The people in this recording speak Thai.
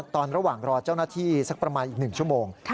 ตอนระหว่างรอเจ้าหน้าที่สักประมาณอีก๑ชั่วโมง